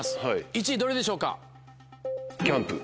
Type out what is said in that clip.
１位どれでしょうか？